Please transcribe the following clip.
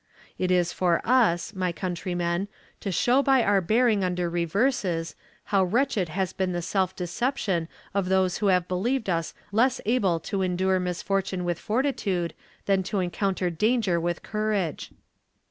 It is for us, my countrymen, to show by our bearing under reverses, how wretched has been the self deception of those who have believed us less able to endure misfortune with fortitude than to encounter danger with courage.